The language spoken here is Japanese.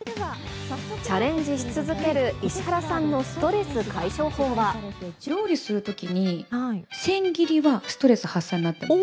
チャレンジし続ける石原さん料理するときに、千切りはストレス発散になってますね。